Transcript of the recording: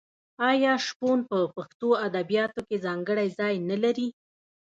آیا شپون په پښتو ادبیاتو کې ځانګړی ځای نلري؟